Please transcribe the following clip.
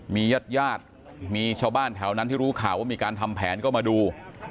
มีญาติญาติมีชาวบ้านแถวนั้นที่รู้ข่าวว่ามีการทำแผนก็มาดู